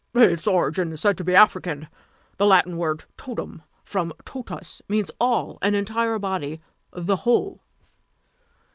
"Its origin is said to be African. The Latin word totum, from totus, means all an entire body the whole."